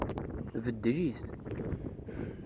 Beddel-it.